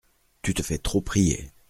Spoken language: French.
Tu te fais trop prier.